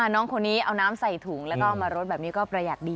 น้องคนนี้เอาน้ำใส่ถุงแล้วก็มารดแบบนี้ก็ประหยัดดี